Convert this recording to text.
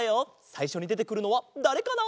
さいしょにでてくるのはだれかな？